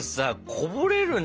こぼれるよ